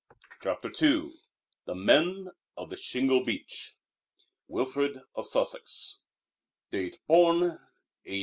] CHAPTER II THE MEN OF THE SHINGLE BEACH Wilfrid of Sussex (Date, born A.